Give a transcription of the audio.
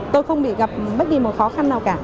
tôi không bị gặp bất đi một khó khăn nào cả